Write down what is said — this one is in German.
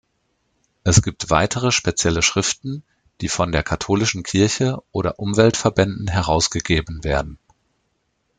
Es gibt weitere spezielle Schriften, die von der katholischen Kirche oder Umweltverbänden herausgegeben werden.